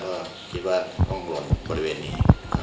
เพราะว่าต้องหลบบริเวณนี้